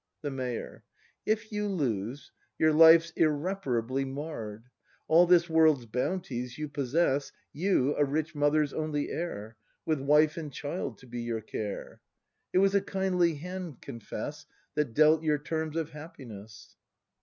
The Mayor. If you lose, Your life's irreparably marr'd. All this world's bounties you possess. You, a rich Mother's only heir. With wife and child to be your care,— It was a kindly hand, confess. That dealt your terms of happiness!